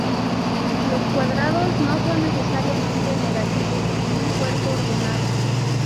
Los cuadrados no son, necesariamente, negativos en un cuerpo ordenado.